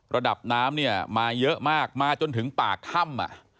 ระดับน้ำเนี่ยมาเยอะมากมาจนถึงปากถ้ำ